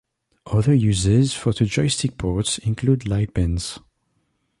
Other uses for the joystick ports include light pens.